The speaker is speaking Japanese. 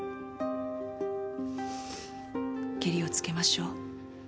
ケリをつけましょう。